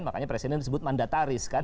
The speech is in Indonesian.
makanya presiden disebut mandataris kan